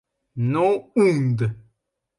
No Und.